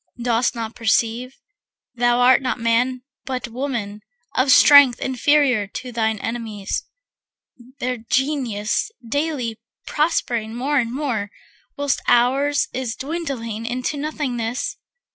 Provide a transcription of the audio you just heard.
Dost not perceive, thou art not man but woman, Of strength inferior to thine enemies, Their Genius daily prospering more and more, Whilst ours is dwindling into nothingness?